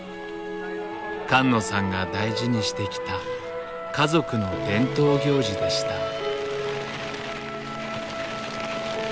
菅野さんが大事にしてきた家族の伝統行事でした。